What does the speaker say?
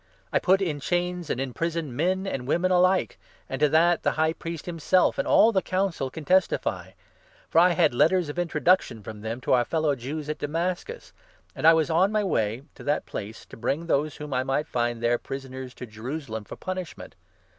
I put in chains, and imprisoned, men and women alike — and to that the High Priest himself and all the 5 Council can testify. For I had letters of introduction from them to our fellow Jews at Damascus, and I was on my way to that place, to bring those whom I might find there prisoners to Jerusalem for punishment.